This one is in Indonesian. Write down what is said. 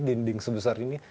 dinding sebesar ini